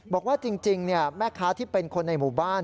บอกว่าจริงแม่ค้าที่เป็นคนในหมู่บ้าน